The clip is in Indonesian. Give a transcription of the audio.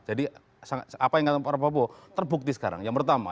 jadi apa yang ngatakan prabowo terbukti sekarang yang pertama